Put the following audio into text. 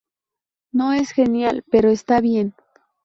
No es genial, pero está bien.